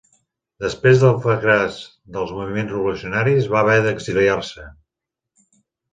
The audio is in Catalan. Després del fracàs dels moviments revolucionaris va haver d'exiliar-se.